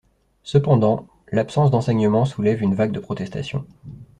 Cependant, l'absence d'enseignement soulève une vague de protestation.